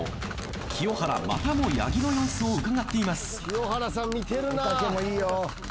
清原またも八木の様子をうかがっています。